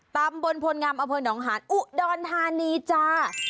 ตามบนโผล่งงามอนฮานอุดรธานีจ้า